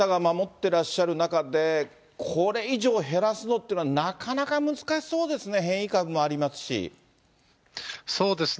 てらっしゃる中で、これ以上減らすのっていうのは、なかなか難しそうですね、変異株そうですね。